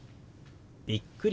「びっくり」。